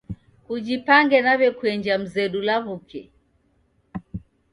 Kujipange nawekuenja mzedu lawuke